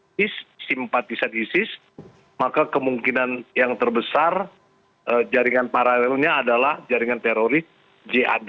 ini simpatisan isis maka kemungkinan yang terbesar jaringan paralelnya adalah jaringan teroris jad